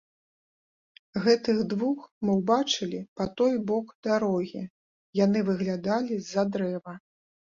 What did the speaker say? Гэтых двух мы ўбачылі па той бок дарогі, яны выглядалі з-за дрэва.